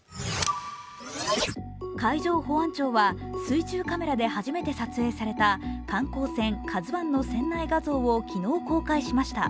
海上保安庁は水中カメラで初めて撮影された観光船「ＫＡＺＵⅠ」の船内画像を昨日初めて公開しました。